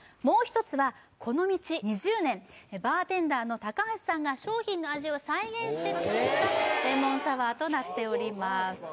もう一つはこの道２０年バーテンダーの高橋さんが商品の味を再現して作ったレモンサワーとなっております